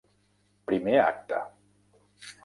Primer acte.